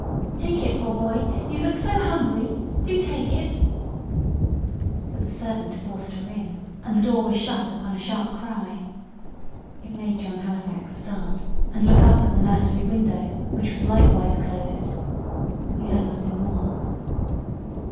"Take it, poor boy! you look so hungry. Do take it." But the servant forced her in, and the door was shut upon a sharp cry. It made John Halifax start, and look up at the nursery window, which was likewise closed. We heard nothing more.